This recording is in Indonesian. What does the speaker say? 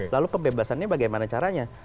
lalu pembebasannya bagaimana caranya